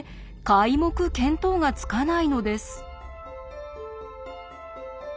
皆目見当がつかないのです。